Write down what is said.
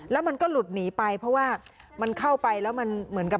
แล้วมันก็หลุดหนีไปเพราะว่ามันเข้าไปแล้วมันเหมือนกับ